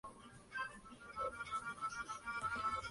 Nació en Bernard, una ciudad de Iowa.